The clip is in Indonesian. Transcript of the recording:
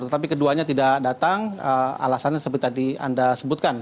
tetapi keduanya tidak datang alasannya seperti tadi anda sebutkan